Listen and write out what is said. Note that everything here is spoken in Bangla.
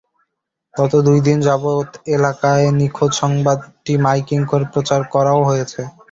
গত দুই দিন যাবৎ এলাকায় নিখোঁজ সংবাদটি মাইকিং করে প্রচার করাও হয়েছে।